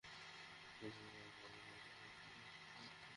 পরিবেশের ভারসাম্য রক্ষার জন্য দেশি জাতের ধান চাষের পৃষ্ঠপোষকতা করতে হবে।